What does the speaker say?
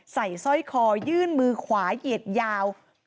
สร้อยคอยื่นมือขวาเหยียดยาว